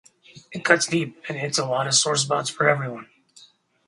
It cuts deep, and hits a lot of sore spots for everyone.